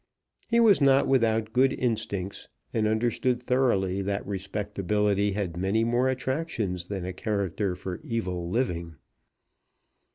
He was not without good instincts, and understood thoroughly that respectability had many more attractions than a character for evil living.